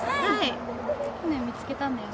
去年見つけたんだよね？